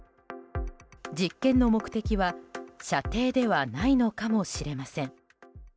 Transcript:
実験の目的は射程ではないのかもしれません。